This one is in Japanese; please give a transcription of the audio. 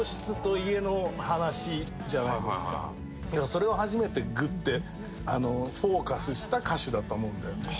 それを初めてグッてフォーカスした歌手だと思うんだよね。